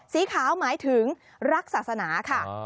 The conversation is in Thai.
สีขาวหมายถึงรักศาสนาค่ะ